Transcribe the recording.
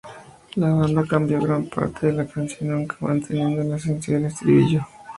La banda cambió gran parte de la canción aunque manteniendo la esencia del estribillo.